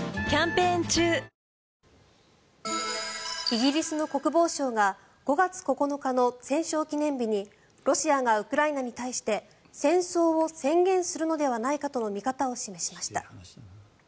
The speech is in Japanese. イギリスの国防相が５月９日の戦勝記念日にロシアがウクライナに対して戦争を宣言するのではないかとの見方を示しました。